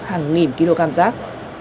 hàng nghìn kg rác